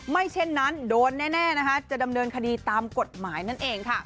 เช่นนั้นโดนแน่นะคะจะดำเนินคดีตามกฎหมายนั่นเองค่ะ